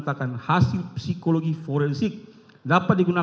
kita harus membuatnya